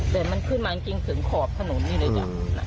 แต่มันขึ้นมาอันดับขอบถนนนี่เลยจ้ะ